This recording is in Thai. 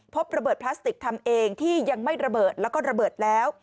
พบระเบิดพลาสติกทำเองที่ยังไม่ระเบิดแล้วก็ระเบิดแล้ว